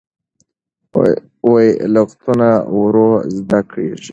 لغتونه ورو زده کېږي.